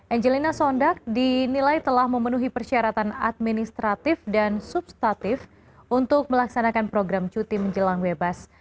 angelina sondak dinilai telah memenuhi persyaratan administratif dan substatif untuk melaksanakan program cuti menjelang bebas